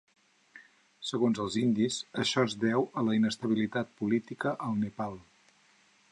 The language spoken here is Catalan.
Segons els indis, això es deu a la inestabilitat política al Nepal.